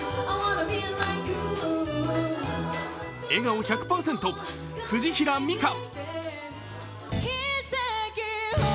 笑顔１００％、藤平美香。